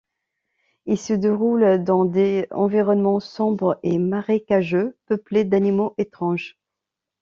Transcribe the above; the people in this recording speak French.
Il se déroule dans des environnements sombres et marécageux, peuplés d'animaux étranges.